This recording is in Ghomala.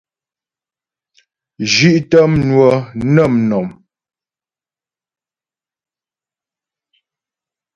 Zhí'tə mnwə nə mnɔ̀m.